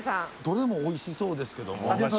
どれも美味しそうですけども。